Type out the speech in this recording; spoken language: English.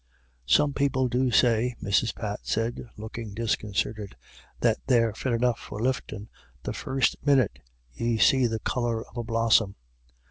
"Some people do say," Mrs. Pat said, looking disconcerted, "that they're fit enough for liftin' the first minyit ye see the colour of a blossom."